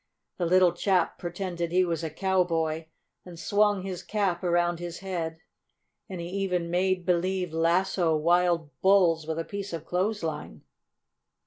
The little chap pretended he was a cowboy, and swung his cap around his head, and he even made believe lasso wild bulls with a piece of clothesline.